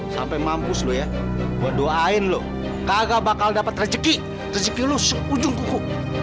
sampai mampus lu ya gue doain lu kagak bakal dapat rezeki rezeki lu seujung kuku